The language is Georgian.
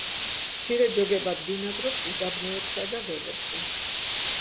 მცირე ჯოგებად ბინადრობს უდაბნოებსა და ველებზე.